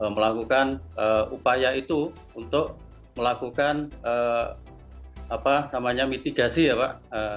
melakukan upaya itu untuk melakukan mitigasi ya pak